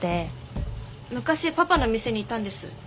昔パパの店にいたんです。